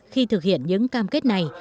khi thực hiện những cam kết này